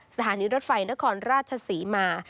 สถานีรถไฟนครราชศรีมา